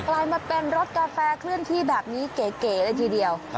กลายมาเป็นรถกาแฟเคลื่อนที่แบบนี้เก๋เลยทีเดียว